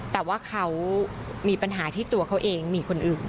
แต่ว่าเขามีปัญหาที่ตัวเขาเองมีคนอื่น